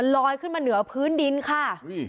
ลอยขึ้นมาเหนือพื้นดินค่ะ